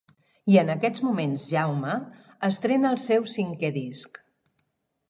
I en aquests moments Jaume estrena el seu cinquè disc.